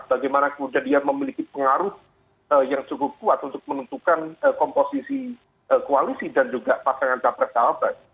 bagaimana kemudian dia memiliki pengaruh yang cukup kuat untuk menentukan komposisi koalisi dan juga pasangan capres cawapres